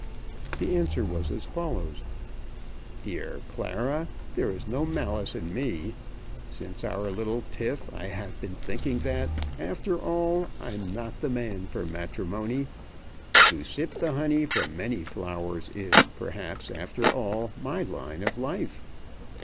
The answer was as follows: DEAR CLARA, There's no malice in me. Since our little tiff I have been thinking that, after all, I'm not the man for matrimony. To sip the honey from many flowers is, perhaps, after all my line of life.